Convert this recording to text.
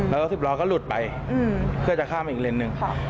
แล้วรถสิบล้อก็หลุดไปเพื่อจะข้ามไปอีกเลนส์หนึ่ง